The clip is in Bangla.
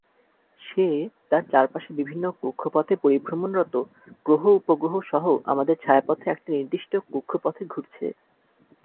সে তার চারপাশে বিভিন্ন কক্ষপথে পরিভ্রমণরত গ্রহ–উপগ্রহসহ আমাদের ছায়াপথে একটি নির্দিষ্ট কক্ষপথে ঘুরছে।